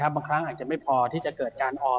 บางครั้งอาจจะไม่พอที่จะเกิดการออม